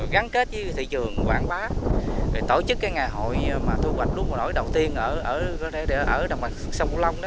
gắn kết với thị trường quảng bá tổ chức ngày hội thu hoạch lúa mùa nổi đầu tiên ở đồng mặt sông cửu long